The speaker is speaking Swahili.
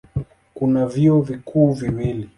Kuna vyuo vikuu viwili.